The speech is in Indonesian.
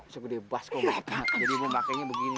sebesar basko jadi memakainya begini